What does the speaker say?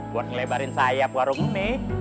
buat ngelebarin sayap warung ini